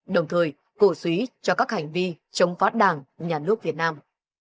đồng thời cổ suý cho các hành vi chống phát đảng nhà nước việt nam